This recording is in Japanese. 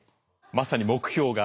まさに目標が。